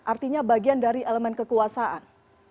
artinya bagian dari elemen kekuasaan